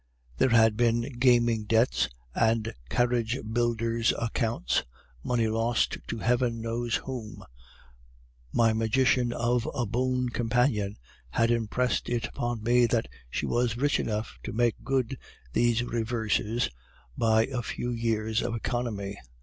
There had been gaming debts, and carriage builders' accounts, money lost to Heaven knows whom. My magician of a boon companion had impressed it upon me that she was rich enough to make good these reverses by a few years of economy.